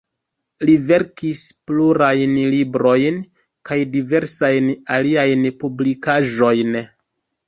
Li verkis plurajn librojn kaj diversajn aliajn publikaĵojn.